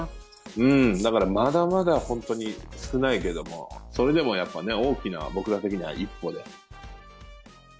うーん、だから、まだまだ本当に少ないけども、それでもやっぱね、大きな、僕ら的には一歩だと。